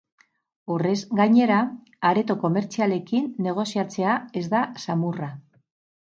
Horrez gainera, areto komertzialekin negoziatzea ez da samurra.